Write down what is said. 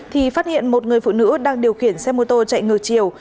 thì phát hiện một người phụ nữ đang điều khiển xe mô tô chạy ngược chiều